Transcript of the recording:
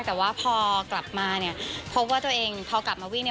แต่ว่าพอกลับมาพบว่าตัวเองพอกลับมาวิ่ง